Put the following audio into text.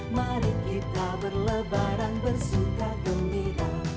mari kita berlebaran bersuka gembira